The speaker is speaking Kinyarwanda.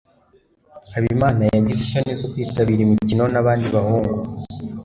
habimana yagize isoni zo kwitabira imikino nabandi bahungu